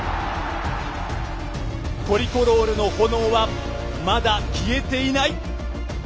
トリコロールの炎はまだ消えていない。